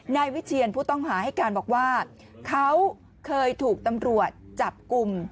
นายวิเชียนผู้ต้องหาให้การบอกว่าเขาเคยถูกตำรวจจับกลุ่ม